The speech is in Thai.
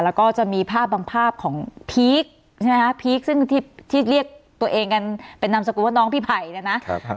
แล้วก็จะมีภาพบางภาพของพีคใช่ไหมฮะพีคซึ่งที่เรียกตัวเองกันเป็นนามสกุลว่าน้องพี่ไผ่เนี่ยนะ